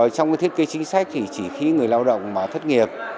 trong thiết kế chính sách thì chỉ khi người lao động thất nghiệp